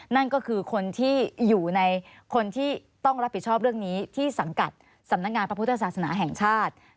นั่นก็คือคนที่อยู่ในคนที่ต้องรับผิดชอบเรื่องนี้ที่สังกัดสำนักงานพระพุทธศาสนาแห่งชาติ